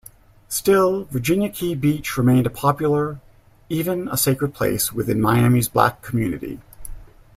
Still, Virginia Key Beach remained a popular, even sacred place within Miami's Black community.